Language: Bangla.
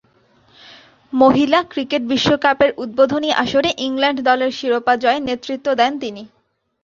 মহিলা ক্রিকেট বিশ্বকাপের উদ্বোধনী আসরে ইংল্যান্ড দলের শিরোপা জয়ে নেতৃত্ব দেন তিনি।